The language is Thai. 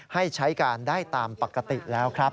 ให้ใช้การได้ตามปกติแล้วครับ